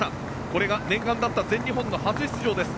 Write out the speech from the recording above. これが念願だった全日本の初出場です。